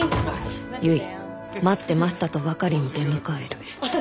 「結待ってましたとばかりに出迎える」。